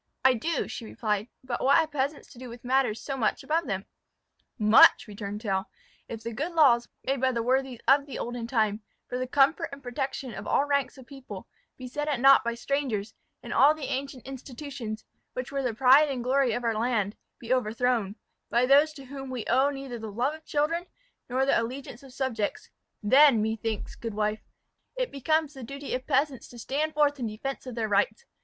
"I do," she replied; "but what have peasants to do with matters so much above them?" "Much!" returned Tell. "If the good laws made by the worthies of the olden time, for the comfort and protection of all ranks of people, be set at naught by strangers, and all the ancient institutions, which were the pride and the glory of our land, be overthrown, by those to whom we owe neither the love of children, nor the allegiance of subjects, then, methinks, good wife, it becomes the duty of peasants to stand forth in defence of their rights.